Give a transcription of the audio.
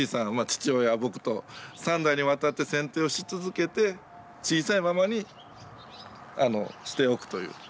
父親僕と３代にわたってせんていをし続けて小さいままにしておくという。